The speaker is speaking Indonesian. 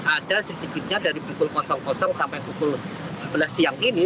ada sedikitnya dari pukul sampai pukul sebelas siang ini